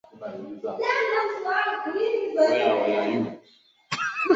watu hao wakiimba nyimbo mbalimbali wamekiita chama cha hezbollah kuwa ni cha kishetani